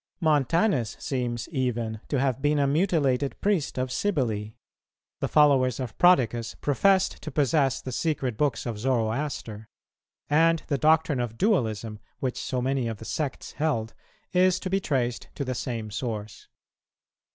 Montanus seems even to have been a mutilated priest of Cybele; the followers of Prodicus professed to possess the secret books of Zoroaster; and the doctrine of dualism, which so many of the sects held, is to be traced to the same source.